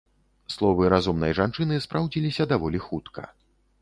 Словы разумнай жанчыны спраўдзіліся даволі хутка.